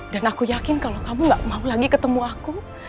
dan aku yakin kalau kamu gak mau lagi ketemu aku